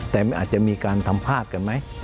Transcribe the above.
แต่มันอาจจะมีการทำภาพกันไหม